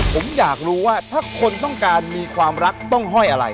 ผมอยากรู้ว่าถ้าคนต้องการมีความรักต้องห้อยอะไร